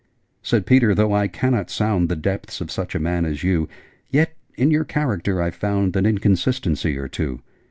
Said Peter 'Though I cannot sound The depths of such a man as you, Yet in your character I've found An inconsistency or two.